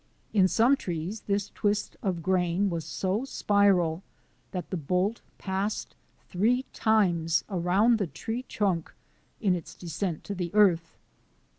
In some trees this twist of the grain was so spiral that the bolt passed three times around the tree trunk in its descent to the earth.